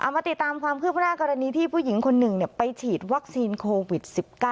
มาติดตามความคืบหน้ากรณีที่ผู้หญิงคนหนึ่งไปฉีดวัคซีนโควิด๑๙